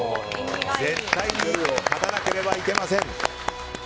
絶対に勝たなければいけません。